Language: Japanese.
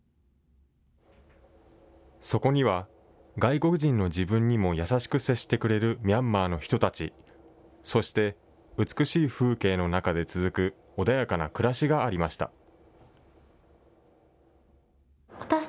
そこには外国人の自分にも優しく接してくれるミャンマーの人たち、そして、美しい風景の中で続く穏やかな暮らしがありました。